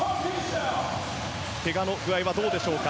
けがの具合はどうでしょうか。